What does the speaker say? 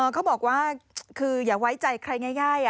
เขาบอกว่าคืออย่าไว้ใจใครง่าย